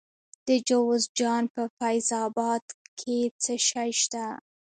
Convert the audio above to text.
د جوزجان په فیض اباد کې څه شی شته؟